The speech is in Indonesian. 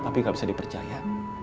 papih gak bisa dipercaya